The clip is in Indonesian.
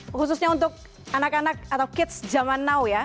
dan khususnya untuk anak anak atau kids zaman now ya